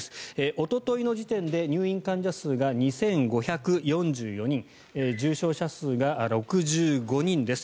おとといの時点で入院患者数が２５４４人重症者数が６５人です。